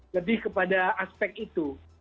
lebih kepada aspek itu